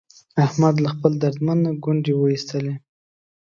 احمد له خپل درمند نه ګونډی و ایستلا.